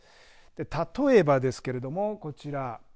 例えばですけれども、こちら。